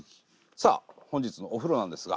さあ本日のお風呂なんですが。